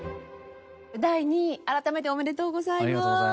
第２位改めておめでとうございます。